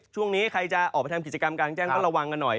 ช่วงนี้ใครจะในการทำกิจกรรมอยู่กันเข้าระวังกันหน่อย